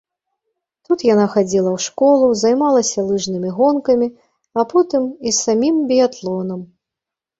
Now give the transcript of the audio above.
Тут яна хадзіла ў школу, займалася лыжнымі гонкамі, а потым і самім біятлонам.